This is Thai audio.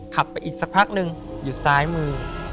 ขับไปอีกสักพักหนึ่งอยู่ซ้ายมือ